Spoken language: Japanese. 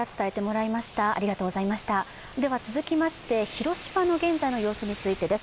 続きまして、広島の現在の様子についてです。